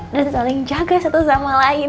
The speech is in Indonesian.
dan saling jaga satu sama lain